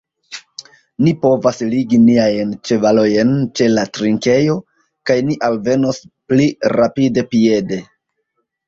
Ni povas ligi niajn ĉevalojn ĉe la trinkejo, kaj ni alvenos pli rapide piede.